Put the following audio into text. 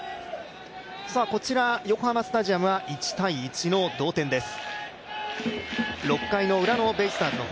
さあ、こちら横浜スタジアムは１−１の同点です。